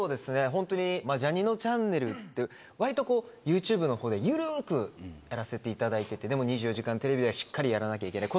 本当にジャにのちゃんねるって、わりとユーチューブのほうでゆるーくやらせていただいててて、でも２４時間テレビはしっかりやらなきゃいけない。